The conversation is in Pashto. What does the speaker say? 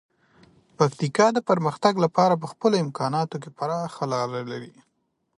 پکتیکا د پرمختګ لپاره په خپلو امکاناتو کې پراخه لاره لري.